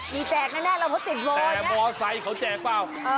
มีแจกแน่แน่เราเพราะติดโบสถ์แต่มอเซ็คเขาแจกเปล่าเออ